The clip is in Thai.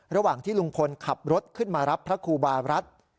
ระหว่างที่ลุงพลขับรถขึ้นมารับพระครูบารัฐ